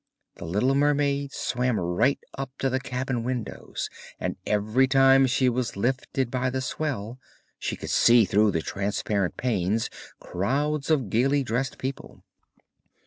The little mermaid swam right up to the cabin windows, and every time she was lifted by the swell she could see through the transparent panes crowds of gaily dressed people.